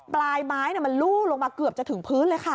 ปลายไม้มันลู่ลงมาเกือบจะถึงพื้นเลยค่ะ